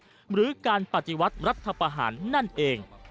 หรือการปฏิวัติรัฐประหารนั่นเอง